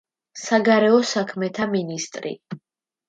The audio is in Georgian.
საგარეო საქმეთა მინისტრი.